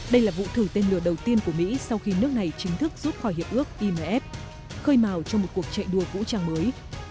đây là vụ thử tên lửa đầu tiên của mỹ sau khi nước này chính thức rút khỏi hiệp ước inf khơi màu cho một cuộc chạy đua vũ trang mới